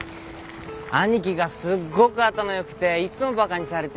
兄貴がすごく頭よくていつもバカにされてた。